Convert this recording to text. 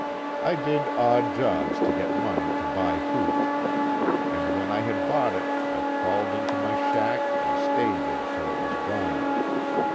I did odd jobs to get money to buy hooch, and when I had bought it I crawled into my shack and stayed there till it was gone.